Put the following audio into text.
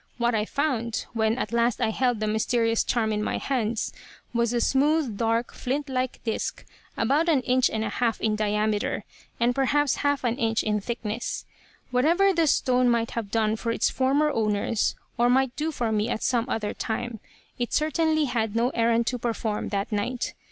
What I found, when at last I held the mysterious charm in my hands, was a smooth, dark, flint like disc, about an inch and a half in diameter, and perhaps half an inch in thickness. "Whatever the stone might have done for its former owners, or might do for me at some other time, it certainly had no errand to perform that night.